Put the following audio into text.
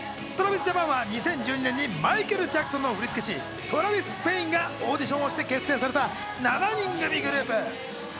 ＴｒａｖｉｓＪａｐａｎは２０１２年にマイケル・ジャクソンの振付師トラヴィス・ペインがオーディションをして結成された７人組グループ。